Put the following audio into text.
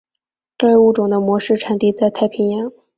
该物种的模式产地在太平洋。